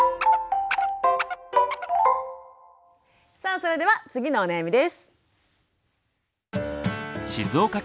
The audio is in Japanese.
さあそれでは次のお悩みです。